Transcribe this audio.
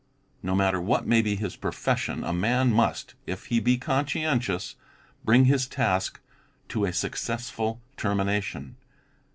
No matter what may be his profession, a man must, if he be conscientious, bring his task to a successful termination.